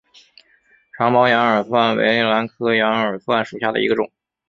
长苞羊耳蒜为兰科羊耳蒜属下的一个种。